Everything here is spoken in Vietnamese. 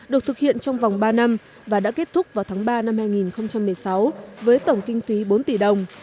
được thực hiện trong vòng ba năm và đã kết thúc vào tháng ba năm hai nghìn một mươi sáu với tổng kinh phí bốn tỷ đồng